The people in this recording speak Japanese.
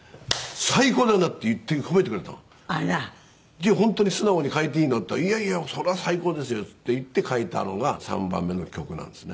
「じゃあ本当に素直に書いていいの？」って言ったら「いやいやそれは最高ですよ」って言って書いたのが３番目の曲なんですね。